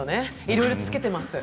いろいろつけています。